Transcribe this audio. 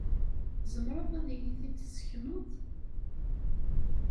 Tzemreḍ ad iyi-t-id-tessekneḍ?